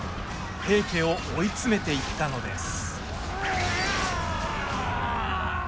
平家を追い詰めていったのです。